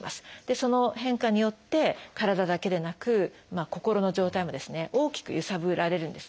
その変化によって体だけでなく心の状態も大きく揺さぶられるんですね。